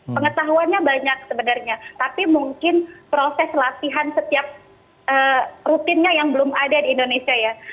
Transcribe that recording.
pengetahuannya banyak sebenarnya tapi mungkin proses latihan setiap rutinnya yang belum ada di indonesia ya